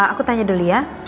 aku tanya dulu ya